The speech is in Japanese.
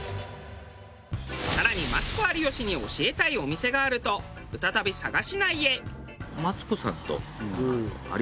更にマツコ有吉に教えたいお店があると再び佐賀市内へ。